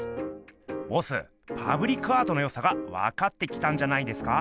ボスパブリックアートのよさがわかってきたんじゃないですか。